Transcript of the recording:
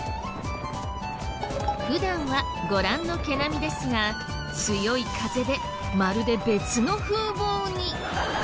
普段はご覧の毛並みですが強い風でまるで別の風貌に。